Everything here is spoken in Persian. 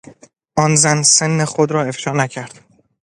آن زن سن خود را افشا نکرد.